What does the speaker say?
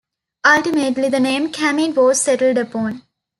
Ultimately the name 'Camin' was settled upon.